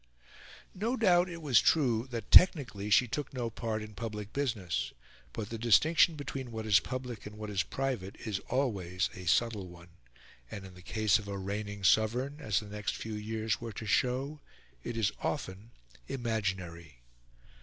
No doubt it was true that technically she took no part in public business; but the distinction between what is public and what is private is always a subtle one; and in the case of a reigning sovereign as the next few years were to show it is often imaginary.